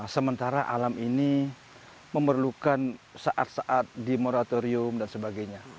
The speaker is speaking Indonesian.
sementara alam ini memerlukan saat saat di moratorium dan sebagainya